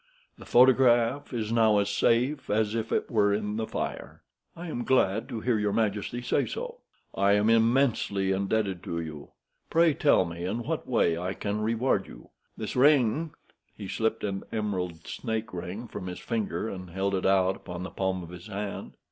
The photograph is now as safe as if it were in the fire." "I am glad to hear your majesty say so." "I am immensely indebted to you. Pray tell me in what way I can reward you. This ring—" He slipped an emerald snake ring from his finger, and held it out upon the palm of his hand.